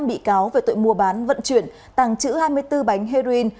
năm bị cáo về tội mua bán vận chuyển tàng trữ hai mươi bốn bánh heroin